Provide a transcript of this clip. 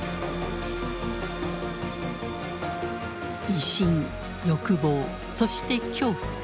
威信欲望そして恐怖。